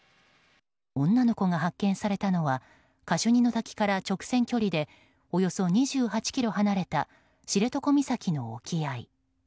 女の子が発見されたのはカシュニの滝から直線距離でおよそ２８ｋｍ離れた知床岬の沖合。